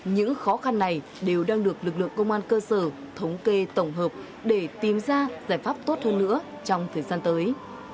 những khó khăn này đều đang được lực lượng công an cơ sở thống kê tổng hợp để tìm ra giải pháp tốt hơn nữa trong thời gian tới